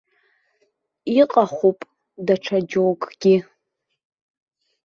Иҟахуп даҽа џьоукгьы.